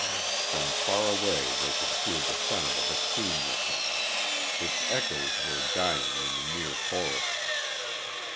From far away they could hear the sound of a steam whistle. Its echoes were dying in the near forest.